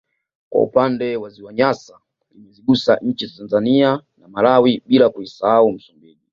Kwa upande wa ziwa Nyasa limezigusa nchi za Tanzania na Malawi bila kuisahau Msumbiji